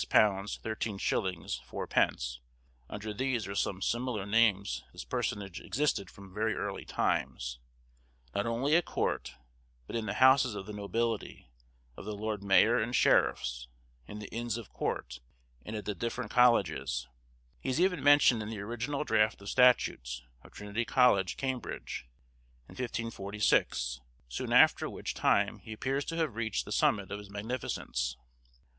13_s._ 4_d._ Under these or some other similar names this personage existed from very early times, not only at court, but in the houses of the nobility, of the lord mayor and sheriffs, in the Inns of Court, and at the different colleges; he is even mentioned in the original draft of statutes, of Trinity College, Cambridge, in 1546, soon after which time he appears to have reached the summit of his magnificence.